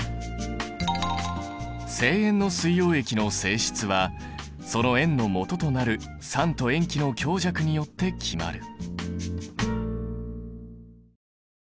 正塩の水溶液の性質はその塩のもととなる酸と塩基の強弱によって決まる。